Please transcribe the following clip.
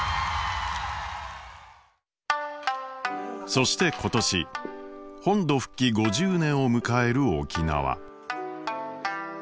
そして今年「本土復帰５０年」を迎える沖縄。